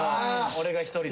「俺が１人で」